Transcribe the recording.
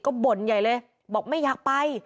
ก็บ่นใหญ่เลยบอกไม่อยากไป